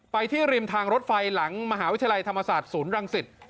ที่ริมทางรถไฟหลังมหาวิทยาลัยธรรมศาสตร์ศูนย์รังสิต